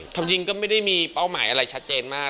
ความจริงก็ไม่ได้มีเป้าหมายอะไรชัดเจนมาก